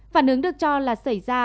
phản ứng được cho là xảy ra